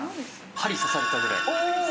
針刺さったぐらい。